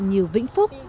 như vĩnh phúc